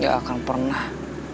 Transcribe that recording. gak akan pernah